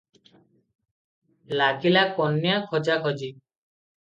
ଲାଗିଲା କନ୍ୟା ଖୋଜାଖୋଜି ।